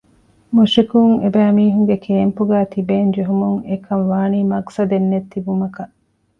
މުޝްރިކުން އެބައިމީހުންގެ ކޭމްޕުގައި ތިބޭން ޖެހުމުން އެކަންވާނީ މަޤްޞަދެއްނެތް ތިބުމަކަށް